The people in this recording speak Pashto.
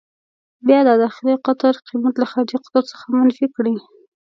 بیا د داخلي قطر قېمت له خارجي قطر څخه منفي کړئ.